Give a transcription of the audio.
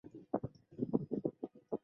以上两条对察哈尔方言不适用。